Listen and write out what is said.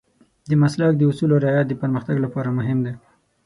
د مسلک د اصولو رعایت د پرمختګ لپاره مهم دی.